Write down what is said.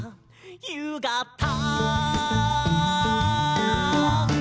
「ゆうがた！」